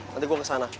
nanti gua kesana